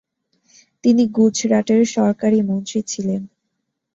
তিনি গুজরাটের সরকারী মন্ত্রী ছিলেন।